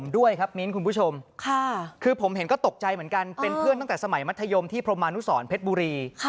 โดยโจ๊กใจเหมือนกันเป็นเพื่อนตั้งแต่สมัยมัธยมที่พรมานุสรเป็ดบุรี